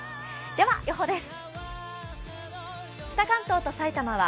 では、予報です。